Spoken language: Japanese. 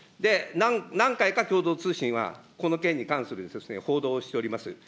何回か共同通信はこの件に関する報道をしております。